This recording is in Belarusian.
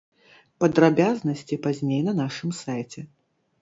Падрабязнасці пазней на нашым сайце.